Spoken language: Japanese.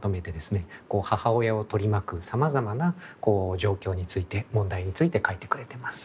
母親を取り巻くさまざまな状況について問題について書いてくれてます。